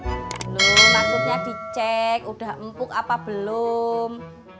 belum maksudnya dicek udah empuk apa belum